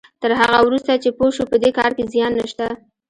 تر هغه وروسته چې پوه شو په دې کار کې زيان نشته.